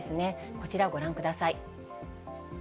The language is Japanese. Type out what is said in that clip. こちらをご覧ください。